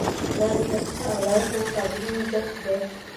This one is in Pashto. دا د شایسته او لایقو کادرونو جذب دی.